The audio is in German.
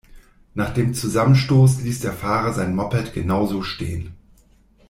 Nach dem Zusammenstoß ließ der Fahrer sein Moped genau so stehen.